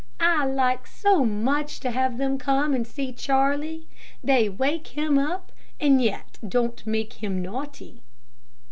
I like so much to have them come and see Charlie. They wake him up, and yet don't make him naughty."